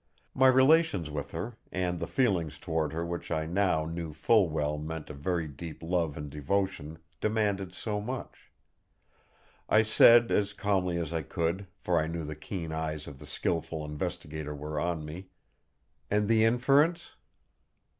My relations with her, and the feeling toward her which I now knew full well meant a very deep love and devotion, demanded so much. I said as calmly as I could, for I knew the keen eyes of the skilful investigator were on me: "And the inference?"